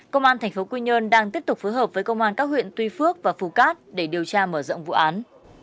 công an tp quy nhơn đang tiếp tục phối hợp với công an các huyện tuy phước và phú cát để điều tra mở rộng vụ án